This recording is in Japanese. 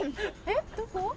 えっどこ？